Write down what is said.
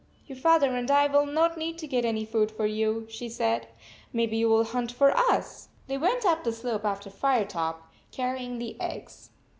"Your father and I will not need to get any food for you," she said. " Maybe you will hunt for us." They went up the slope after Firetop, carrying the eggs.